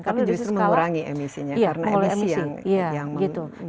tapi justru mengurangi emisinya karena emisi yang membuat pencemaran